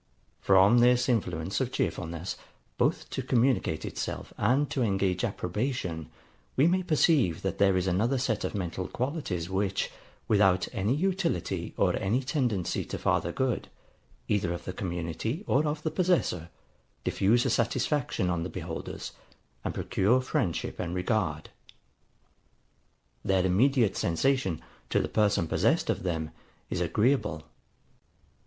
From this influence of cheerfulness, both to communicate itself and to engage approbation, we may perceive that there is another set of mental qualities, which, without any utility or any tendency to farther good, either of the community or of the possessor, diffuse a satisfaction on the beholders, and procure friendship and regard. Their immediate sensation, to the person possessed of them, is agreeable.